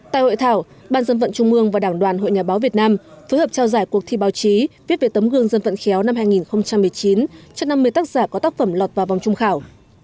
tại hội thảo ban dân vận trung mương và đảng đoàn hội nhà báo việt nam phối hợp trao giải cuộc thi báo chí viết về tấm gương dân vận khéo năm hai nghìn một mươi chín cho năm mươi tác giả có tác phẩm lọt vào vòng trung khảo